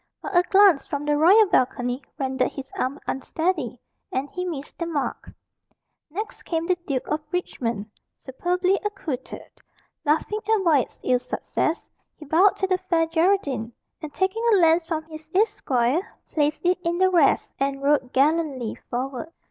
But a glance from the royal balcony rendered his arm unsteady, and he missed the mark. Next came the Duke of Richmond, superbly accoutred. Laughing at Wyat's ill success, he bowed to the Fair Geraldine, and taking a lance from his esquire, placed it in the rest, and rode gallantly forward.